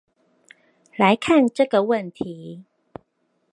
來看這個問題